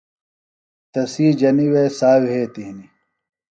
تسی جنیۡ وے سا وھیتیۡ ہنیۡ